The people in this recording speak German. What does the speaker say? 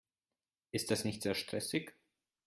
Ist das nicht sehr stressig?